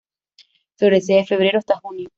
Florece de febrero hasta junio.